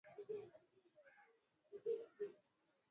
Mayayi inaleta afya nzuri pamoya na buyoka